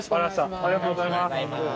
ありがとうございます。